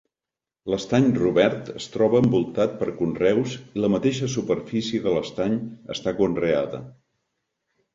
L'estany Robert es troba envoltat per conreus i la mateixa superfície de l'estany està conreada.